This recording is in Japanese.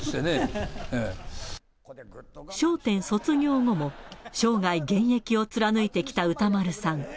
笑点卒業後も、生涯現役を貫いてきた歌丸さん。